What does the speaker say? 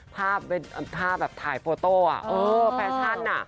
ภาพแบบถ่ายโฟโต้แฟชั่นน่ะ